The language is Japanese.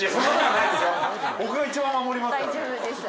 僕が一番守りますから！